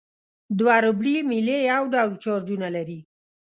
دوه ربړي میلې یو ډول چارجونه لري.